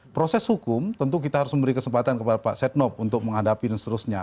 proses hukum tentu kita harus memberi kesempatan kepada pak setnov untuk menghadapi dan seterusnya